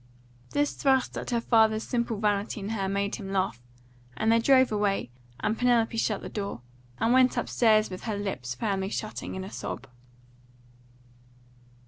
This thrust at her father's simple vanity in her made him laugh; and then they drove away, and Penelope shut the door, and went upstairs with her lips firmly shutting in a sob.